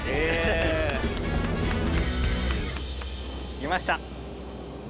きました。